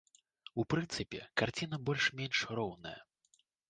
У прынцыпе, карціна больш-менш роўная.